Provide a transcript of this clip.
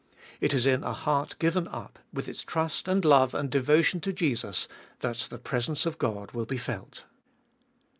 It is in a heart given up, with its trust and love and devotion to Jesus, that the presence of God will be felt.